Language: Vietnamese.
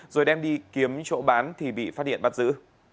rồi đem đi kiếm chỗ bán thì bị phát hiện bắt giữ